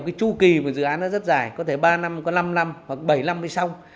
cái chu kỳ của dự án nó rất dài có thể ba năm có năm năm hoặc bảy năm mới xong